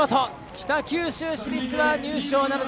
北九州市立は入賞ならず。